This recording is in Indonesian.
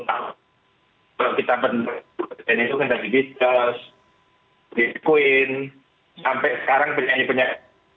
kalau kita benar benar itu kan dari beatles queen sampai sekarang benar benar